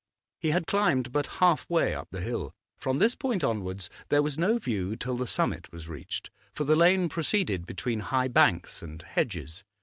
He had climbed but half way up the hill; from this point onwards there was no view till the summit was reached, for the lane proceeded between high banks and hedges.